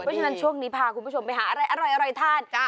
เพราะฉะนั้นช่วงนี้พาคุณผู้ชมไปหาอะไรอร่อยทาน